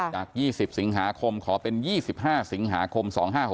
จาก๒๐สิงหาคมขอเป็น๒๕สิงหาคม๒๕๖๖